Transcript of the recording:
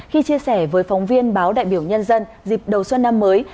khi chia sẻ với phóng viên báo đại biểu nhân dân dịp đầu xuân năm mới